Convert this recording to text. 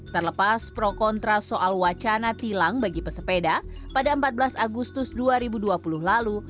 terlepas pro kontra soal wacana tilang bagi pesepeda pada empat belas agustus dua ribu dua puluh lalu